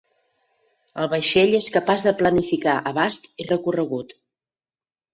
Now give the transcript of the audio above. El vaixell és capaç de planificar abast i recorregut.